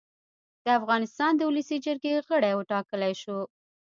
د افغانستان د اولسي جرګې غړی اوټاکلی شو